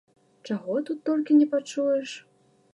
Чаго тут толькі не пачуеш!